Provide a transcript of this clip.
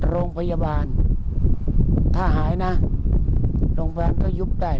โรงพยาบาลถ้าหายนะโรงพยาบาลก็ยุบได้